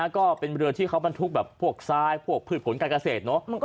ก็เป็นเมืองที่เขามันทุกข์แบบพวกซ้ายพวกผลิตผลการเกษตร